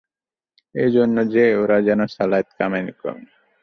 এজন্যে যে, ওরা যেন সালাত কায়েম করে।